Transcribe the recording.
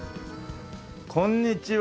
こんにちは。